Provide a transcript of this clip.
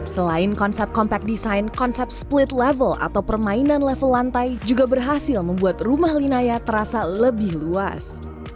selain konsep compact design konsep split level atau permainan level lantai juga berhasil membuat rumah linaya terasa lebih luas